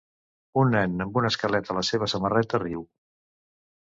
Un nen amb un esquelet a la seva samarreta riu.